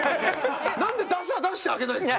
なんで出してあげないんですか？